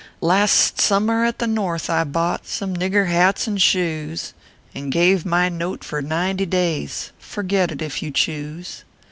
Last summer at the North I bought, Somo nigger hats and shoes, And gave my note for ninety days; Forget it if you choose.